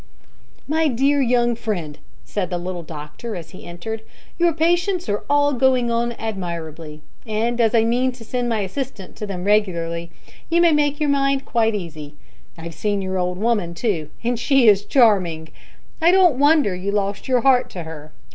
"My dear young friend," said the little doctor, as he entered, "your patients are all going on admirably, and as I mean to send my assistant to them regularly, you may make your mind quite easy. I've seen your old woman too, and she is charming. I don't wonder you lost your heart to her.